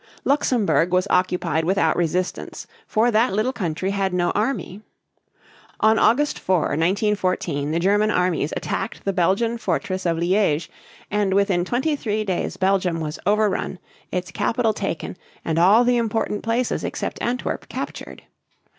Luxemburg was occupied without resistance, for that little country had no army. On August 4, 1914, the German armies attacked the Belgian fortress of Liege (lee ĕzh´), and within twenty three days Belgium was overrun, its capital taken, and all the important places except Antwerp captured.